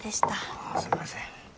ああすんません。